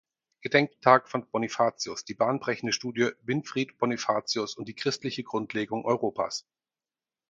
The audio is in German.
Gedenktag von Bonifatius die bahnbrechende Studie "Winfrid-Bonifatius und die christliche Grundlegung Europas".